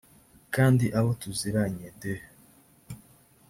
kandi abo tuziranye d